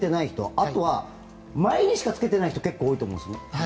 あとは、前にしかつけてない人結構いると思うんです。